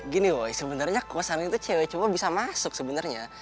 gini woy sebenernya kosan itu cewek cewek bisa masuk sebenernya